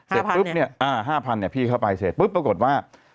ห้าพันเนี่ยอ่าห้าพันเนี่ยพี่เข้าไปเสร็จปุ๊บปรากฏว่า